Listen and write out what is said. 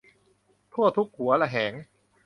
ทั่วทุกหัวระแหง